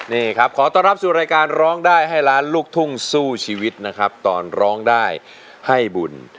นี่ครับขอต้อนรับสู่รายการร้องได้ให้ล้านลูกทุ่งสู้ชีวิตนะครับตอนร้องได้ให้บุญ